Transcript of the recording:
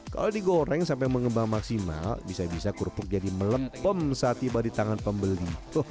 kalau digoreng sampai mengembang maksimal bisa bisa kerupuk jadi melempem saat tiba di tangan pembeli